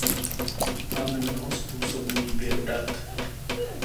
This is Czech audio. Máme mnoho způsobů výběru dat.